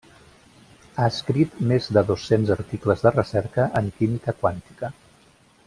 Ha escrit més de dos-cents articles de recerca en química quàntica.